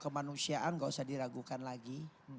kemanusiaan gak usah diragukan lagi